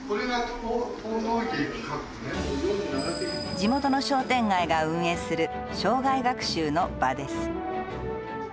地元の商店街が運営する生涯学習の場です。